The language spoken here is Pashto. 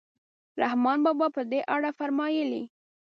رحمان بابا په دې اړه فرمایي.